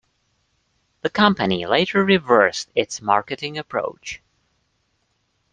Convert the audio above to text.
The company later reversed its marketing approach.